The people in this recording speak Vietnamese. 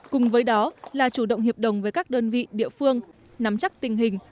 cùng với đó là chủ động hiệp đồng với các đơn vị địa phương nắm chắc tình hình